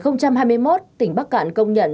năm hai nghìn hai mươi một tỉnh bắc cạn công nhận